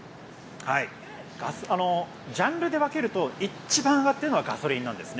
ジャンルで分けると一番上がっているのはガソリンなんです。